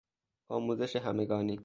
آموزش همگانی